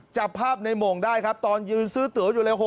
จับภาพในโมงได้ครับตอนยืนซื้อเต๋ออยู่เลย